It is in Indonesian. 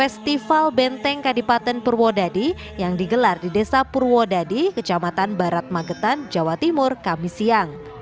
festival benteng kadipaten purwodadi yang digelar di desa purwodadi kecamatan barat magetan jawa timur kami siang